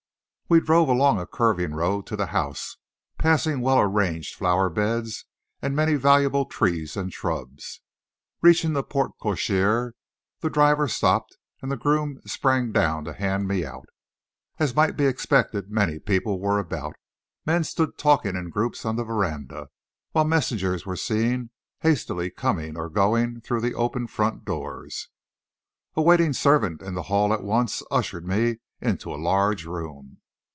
We drove along a curving road to the house, passing well arranged flower beds, and many valuable trees and shrubs. Reaching the porte cochere the driver stopped, and the groom sprang down to hand me out. As might be expected, many people were about. Men stood talking in groups on the veranda, while messengers were seen hastily coming or going through the open front doors. A waiting servant in the hall at once ushered me into a large room.